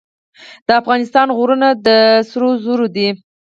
د افغانستان غرونه د سرو زرو دي